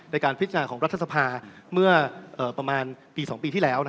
ในการพิจารณาของรัฐสภาเมื่อประมาณปี๒ปีที่แล้ว